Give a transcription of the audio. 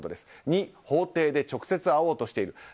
それに法廷で直接会おうとしている。